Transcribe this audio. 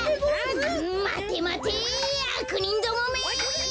まてまてあくにんどもめ！